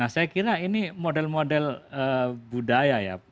saya kira ini model model budaya ya